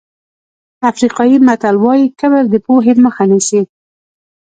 افریقایي متل وایي کبر د پوهې مخه نیسي.